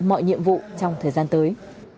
mọi nhiệm vụ trong thời gian tới